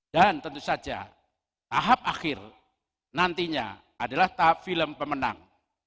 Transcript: dan tentu saja tahap akhir nantinya adalah tahap film pemenang